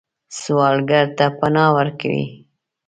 سوالګر ته پناه ورکوئ